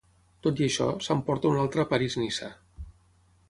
Tot i això, s'emporta una altra París-Niça.